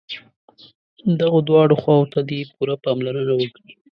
دغو دواړو خواوو ته دې پوره پاملرنه وکړي.